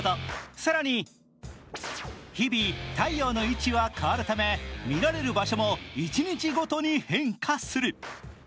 更に日々、太陽の位置は変わるため見られる場所も一日ごとに変化する。